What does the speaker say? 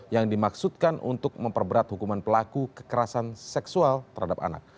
yang dimaksudkan untuk memperberat hukuman pelaku kekerasan seksual terhadap anak